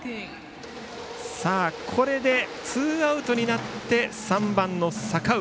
これでツーアウトになってバッターは３番の阪上。